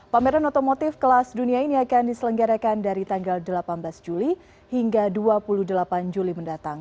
pameran otomotif kelas dunia ini akan diselenggarakan dari tanggal delapan belas juli hingga dua puluh delapan juli mendatang